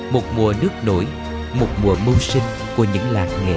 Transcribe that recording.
một mùa nước nổi một mùa mua sinh của những lạc nghệ